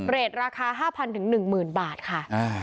เรทราคา๕๐๐๐ถึง๑๐๐๐๐บาทค่ะ